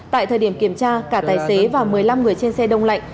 tại thời điểm kiểm tra cả tài xế và một mươi năm người trên xe đông lạnh